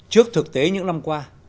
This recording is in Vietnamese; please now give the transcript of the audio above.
trước thực tế những năm qua